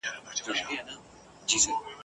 په دې لاپو هسی ځان کرارومه ..